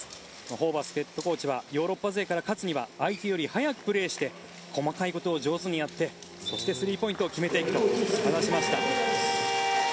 ホーバスヘッドコーチはヨーロッパ勢から勝つには相手より速くプレーして細かいことを上手にやってそしてスリーポイントを決めていくと話しました。